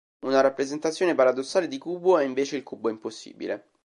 Una rappresentazione paradossale di cubo è invece il cubo impossibile.